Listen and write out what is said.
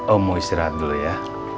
oh mau istirahat dulu ya